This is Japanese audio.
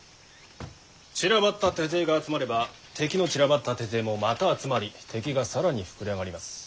散らばった手勢が集まれば敵の散らばった手勢もまた集まり敵が更に膨れ上がります。